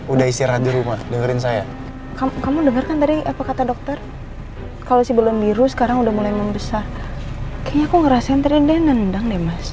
udah istirahat di rumah dengerin saya kamu dengerkan tadi apa kata dokter kalau si balon biru sekarang udah mulai membesar kayaknya aku ngerasain tadi dia nendang deh waduh